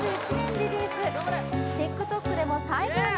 リリースＴｉｋＴｏｋでも再ブーム